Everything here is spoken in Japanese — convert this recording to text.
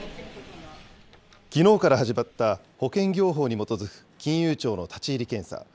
きのうから始まった、保険業法に基づく金融庁の立ち入り検査。